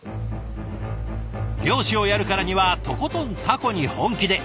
漁師をやるからにはとことんタコに本気で。